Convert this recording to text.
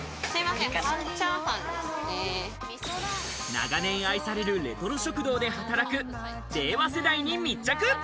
長年愛されるレトロ食堂で働く令和世代に密着。